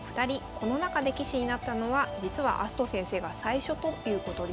この中で棋士になったのは実は明日斗先生が最初ということでした。